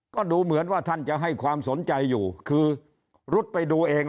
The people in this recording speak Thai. ก็ดูเหมือนว่าท่านจะให้ความสนใจอยู่คือรุดไปดูเอง